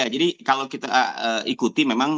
jadi kalau kita ikuti memang